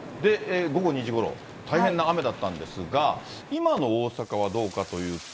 午後２時ごろ、大変な雨だったんですが、今の大阪はどうかというと。